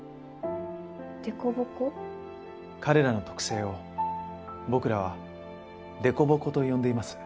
彼らの特性を僕らは凸凹と呼んでいます。